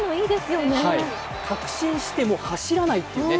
確信して、もう走らないんですね。